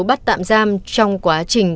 bắt tạm giam trong quá trình